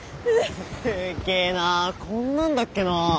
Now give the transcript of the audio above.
すっげえなあこんなんだっけな。